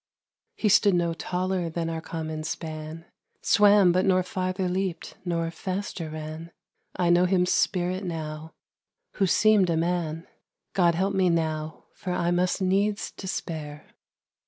He stood no taller than our common span, Swam but nor farther leaped nor faster ran; I know him spirit now, who seemed a man. _God help me now, for I must needs despair.